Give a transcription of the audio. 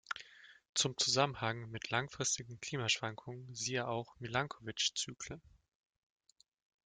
Zum Zusammenhang mit langfristigen Klimaschwankungen siehe auch Milanković-Zyklen.